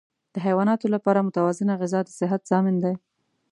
د حیواناتو لپاره متوازنه غذا د صحت ضامن ده.